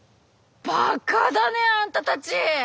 バカだねあんたたち！